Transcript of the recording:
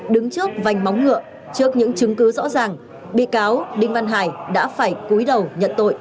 đứng trước vành móng ngựa trước những chứng cứ rõ ràng bị cáo đinh văn hải đã phải cúi đầu nhận tội